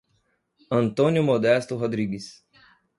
Antônio Modesto Rodrigues